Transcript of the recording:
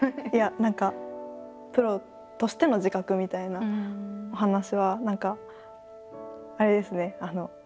いや何かプロとしての自覚みたいなお話は何かあれですね